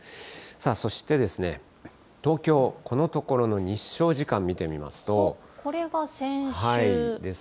そして東京、このところの日照時間見てみますと。